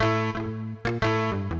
biasakan sholat matahari